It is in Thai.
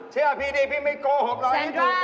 เชื่อพี่ดีพี่ไม่โกหกเราอันนี้ถูกกว่า